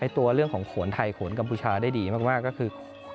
ตัวเรื่องของโขนไทยโขนกัมพูชาได้ดีมากก็คือ